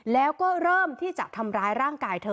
แล้วก็เริ่มที่จะทำร้ายร่างกายเธอ